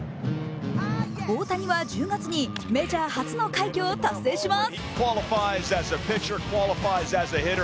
大谷は１０月にメジャー初の快挙を達成します。